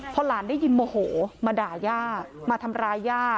พอหลานได้ยินโมโหมาด่าย่ามาทำร้ายย่า